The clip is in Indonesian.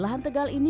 lahan tegal ini